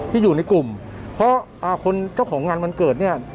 ที่อยู่ในกลุ่มเพราะคนเจ้าของงานวันเกิดเนี่ย